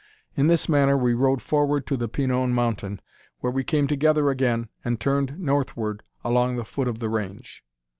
In this manner we rode forward to the Pinon mountain, where we came together again, and turned northward along the foot of the range.